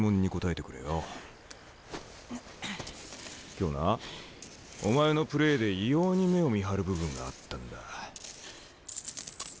今日なお前のプレーで異様に目をみはる部分があったんだ。